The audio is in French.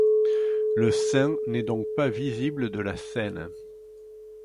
Le saint n'est donc pas visible dans la scène.